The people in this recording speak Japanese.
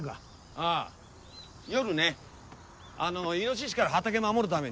あぁ夜ねイノシシから畑守るために。